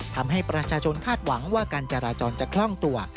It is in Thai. ทำให้ประชาชนคาดหวังว่าการจราจรจะคล่องตัว